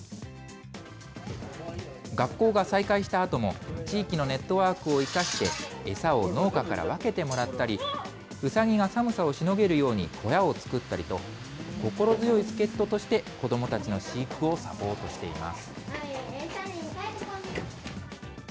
学校が再開したあとも、地域のネットワークを生かして餌を農家から分けてもらったり、ウサギが寒さをしのげるように、小屋を作ったりと、心強い助っ人として子どもたちの飼育をサポートしています。